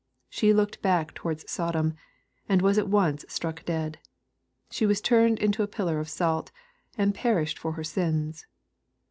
She looked back towards Sodom, and was at once struck dead. She was turned into a pillar of salt, and perished in her sins.